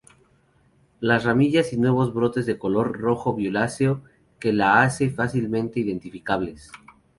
Las ramillas y nuevos brotes de color rojo violáceo que las hace fácilmente identificables.